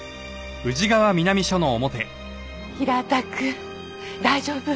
平田くん大丈夫？